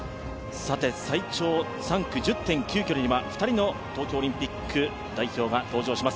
最長３区１０．９ｋｍには２人の東京オリンピック代表が登場します。